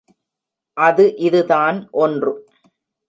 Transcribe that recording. அது இதுதான் ஒன்று.